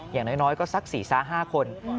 อย่างน้อยก็สัก๔๕คน